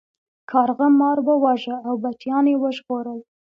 کارغه مار وواژه او بچیان یې وژغورل.